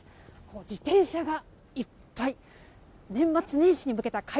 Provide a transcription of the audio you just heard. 自転車がいっぱい。